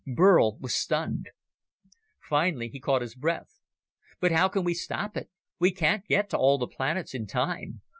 Burl was stunned. Finally he caught his breath. "But how can we stop it? We can't get to all the planets in time.